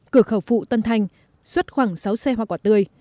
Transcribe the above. cửa khẩu phụ tân thanh xuất khoảng sáu xe hoa quả tươi